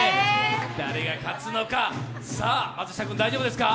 誰が勝つのか松下君、大丈夫ですか？